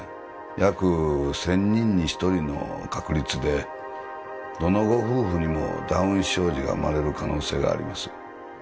約千人に一人の確率でどのご夫婦にもダウン症児が生まれる可能性があります